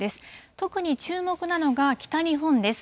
特に注目なのが北日本です。